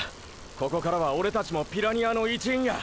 ここからはオレたちもピラニアの一員や！